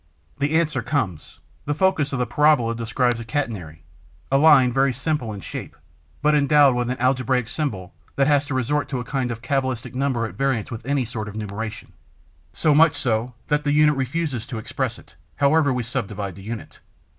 The answer comes: The focus of the parabola describes a 'catenary,' a line very simple in shape, but endowed with an algebraic symbol that has to resort to a kind of cabalistic number at variance with any sort of numeration, so much so that the unit refuses to express it, however much we subdivide the unit.